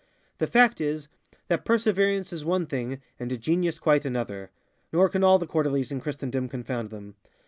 The fact is, that perseverance is one thing and genius quite anotherŌĆönor can all the Quarterlies in Christendom confound them.